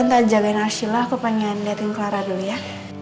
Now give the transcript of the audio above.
kita jagain arsyila aku pengen dating clara dulu ya